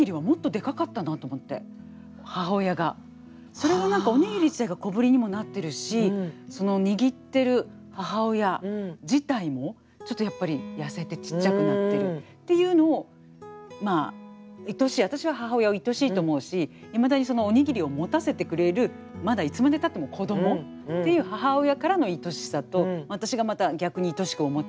それが何かおにぎり自体が小ぶりにもなってるしその握ってる母親自体もちょっとやっぱり痩せてちっちゃくなってるっていうのをまあいとしい私は母親をいとしいと思うしいまだにそのおにぎりを持たせてくれるまだいつまでたっても子どもっていうっていういとしさ